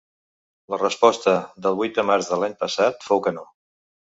La resposta, del vuit de març de l’any passat, fou que no.